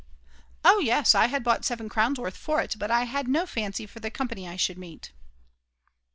"Oh yes, I had bought 7 crowns worth for it, but I had no fancy for the company I should meet."